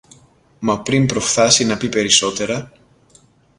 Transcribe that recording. Μα πριν προφθάσει να πει περισσότερα